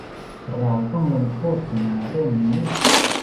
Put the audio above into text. เราต้องลงโฆษณาเรื่องนี้